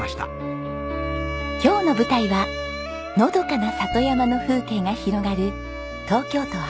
今日の舞台はのどかな里山の風景が広がる